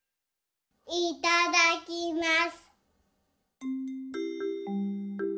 いただきます！